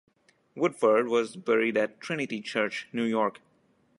Woodford was buried at Trinity Church, New York.